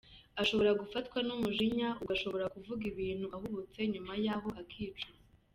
Ashobora gufatwa n’umujinya ugashobora kuvuga ibintu ahubutse nyuma yahoo akabyicuza.